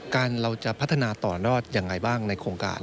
เราจะพัฒนาต่อยอดยังไงบ้างในโครงการ